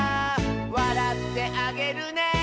「わらってあげるね」